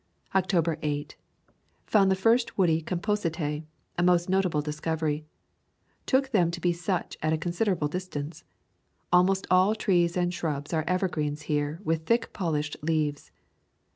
October 8. Found the first woody composite, a most notable discovery. Took them to be such at a considerable distance. Almost all trees and shrubs are evergreens here with thick polished leaves.